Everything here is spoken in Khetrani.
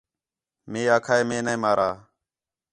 مئے آکھا ہِے مئے نے مارا